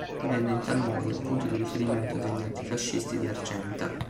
Divenne in tal modo il punto di riferimento degli antifascisti di Argenta.